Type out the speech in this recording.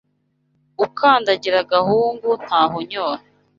Ukandagira agahungu ntahonyora